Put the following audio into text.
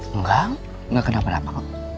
enggak gak kenapa kenapa